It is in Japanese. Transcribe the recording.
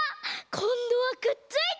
こんどはくっついた！